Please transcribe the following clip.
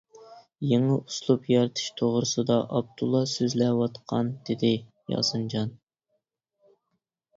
-يېڭى ئۇسلۇب يارىتىش توغرىسىدا ئابدۇللا سۆزلەۋاتقان، -دېدى ياسىنجان.